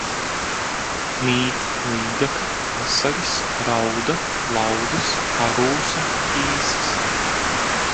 Mīt līdaka, asaris, rauda, plaudis, karūsa, ķīsis.